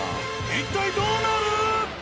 一体どうなる？